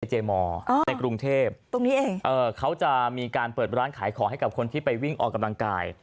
เจมอร์ในกรุงเทพตรงนี้เองเขาจะมีการเปิดร้านขายของให้กับคนที่ไปวิ่งออกกำลังกาย